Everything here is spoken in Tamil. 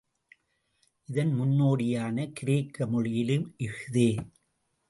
இதன் முன்னோடியான கிரேக்க மொழியிலும் இஃதே.